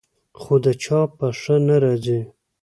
خو د چا په ښه نه راځي.